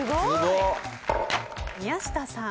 宮下さん。